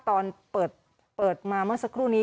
ตอนเปิดมาสักครู่นี้